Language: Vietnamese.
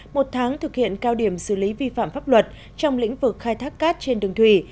một tháng thực hiện cao điểm xử lý vi phạm pháp luật trong lĩnh vực khai thác cát trên đường thủy